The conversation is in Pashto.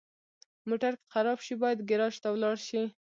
موټر که خراب شي، باید ګراج ته ولاړ شي.